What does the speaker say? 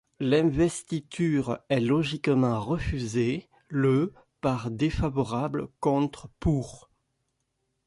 L'investiture est logiquement refusée le par défavorables contre pour.